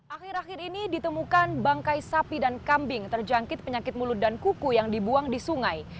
akhir akhir ini ditemukan bangkai sapi dan kambing terjangkit penyakit mulut dan kuku yang dibuang di sungai